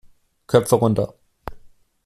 Köpfe runter!